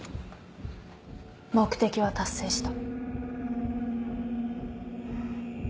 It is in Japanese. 目的は達成した。